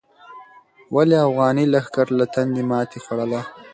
ولې افغاني لښکر له تندې ماتې خوړله؟